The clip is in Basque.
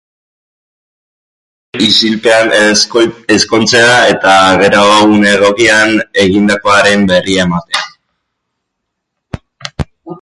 Hobe isilpean ezkontzea eta geroago, une egokian, egindakoaren berri ematea.